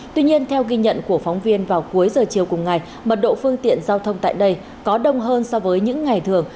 tuy nhiên theo ghi nhận của phóng viên vào cuối giờ chiều cùng ngày mật độ phương tiện giao thông tại đây có đông hơn so với những ngày thường